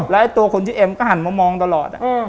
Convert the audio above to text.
แล้วตัวคนชื่อเอ็มก็หันมามองตลอด